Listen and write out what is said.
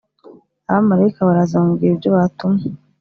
abamarayika baraza bamubwira ibyo batumwe.